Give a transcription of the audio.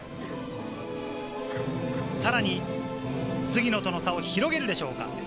さらに杉野との差を広げるでしょうか。